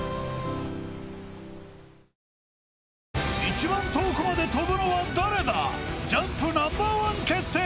一番遠くまで跳ぶのは誰だジャンプＮｏ．１決定